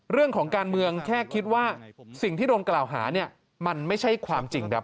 เรื่องของการเมืองแค่คิดว่าสิ่งที่โดนกล่าวหาเนี่ยมันไม่ใช่ความจริงครับ